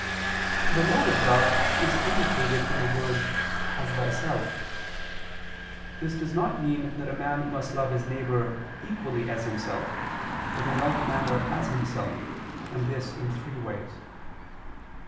The mode of love is indicated in the words "as thyself." This does not mean that a man must love his neighbor equally as himself, but in like manner as himself, and this in three ways.